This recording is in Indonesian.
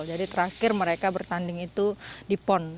jadi terakhir mereka bertanding itu di pon